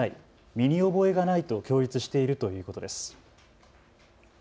身に覚えがないと供述しているということです。